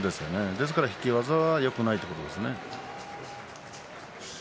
ですから引き技はよくないんですね。